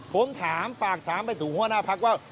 ผมถามฝากถามไปถึงหัวหน้าพักว่า